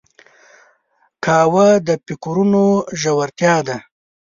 قهوه د فکرونو ژورتیا ده